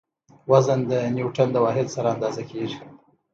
وزن د نیوټڼ د واحد سره اندازه کیږي.